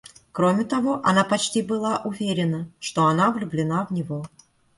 Кроме того, она почти была уверена, что она влюблена в него.